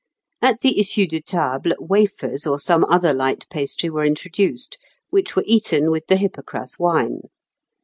At the issue de table wafers or some other light pastry were introduced, which were eaten with the hypocras wine.